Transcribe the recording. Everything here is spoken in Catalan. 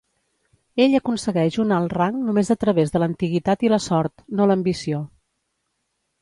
Ell aconsegueix un alt rang només a través de l'antiguitat i la sort, no l'ambició.